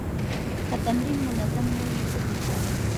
که تمرین منظم نه وي، څه پېښېږي؟